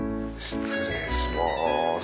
失礼します。